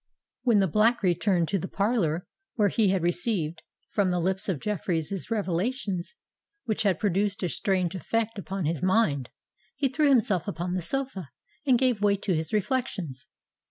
When the Black returned to the parlour where he had received from the lips of Jeffreys revelations which had produced a strange effect upon his mind, he threw himself upon the sofa, and gave way to his reflections.